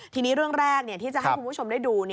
ทีนี้เรื่องแรกที่จะให้คุณผู้ชมได้ดู